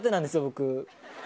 僕。